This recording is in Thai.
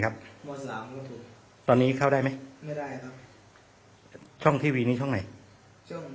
มสามตอนนี้เข้าได้ไหมไม่ได้ครับช่องทีวีนี้ช่องไหนช่อง